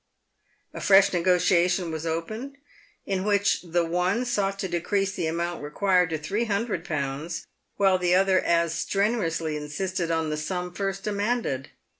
A fresh negotiation was opened, in which the one sought to decrease the amount required to three hun dred pounds, while the other as strenuously insisted on the sum first demanded.